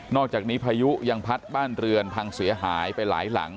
อกจากนี้พายุยังพัดบ้านเรือนพังเสียหายไปหลายหลัง